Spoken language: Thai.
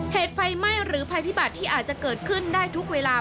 เหตุไฟไหม้หรือภัยพิบัติที่อาจจะเกิดขึ้นได้ทุกเวลา